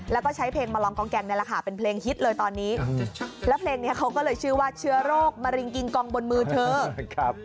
แล้วก็ใช้เพลงมาลองกองแกงนี่แหละค่ะเป็นเพลงฮิตเลยตอนนี้แล้วเพลงนี้เขาก็เลยชื่อว่าเชื้อโรคมะเร็งกิงกองบนมือเธอครับ